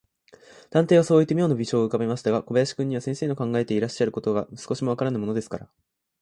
探偵はそういって、みょうな微笑をうかべましたが、小林君には、先生の考えていらっしゃることが、少しもわからぬものですから、